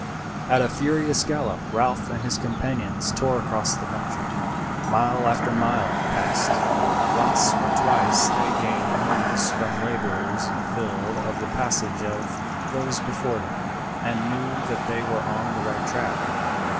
At a furious gallop Ralph and his companions tore across the country. Mile after mile was passed. Once or twice they gained news from labourers in the field of the passage of those before them, and knew that they were on the right track.